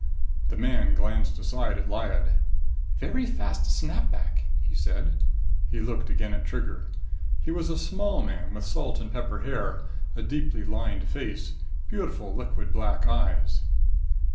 The man glanced aside at Lyad. "Very fast snap back!" he said. He looked again at Trigger. He was a small man with salt and pepper hair, a deeply lined face, beautiful liquid black eyes.